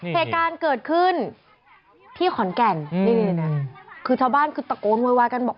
เหตุการณ์เกิดขึ้นที่ขอนแก่นนี่นะคือชาวบ้านคือตะโกนโวยวายกันบอก